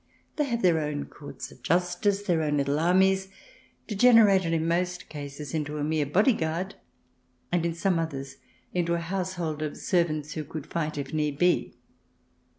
They have their own courts of justice, their own little armies — degenerated in most cases into a mere bodyguard, and in some others into a household of servants who could fight if need be.